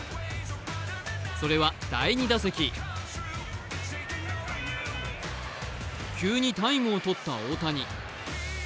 それは第２打席急にタイムをとった大谷。